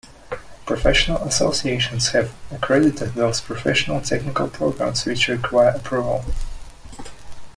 Professional associations have accredited those professional-technical programs which require approval.